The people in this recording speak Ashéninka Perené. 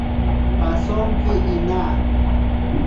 Pasonki ina.